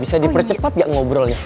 bisa dipercepat gak ngobrolnya